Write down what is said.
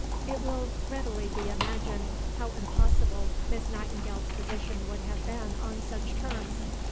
It will readily be imagined how impossible Miss Nightingale's position would have been on such terms.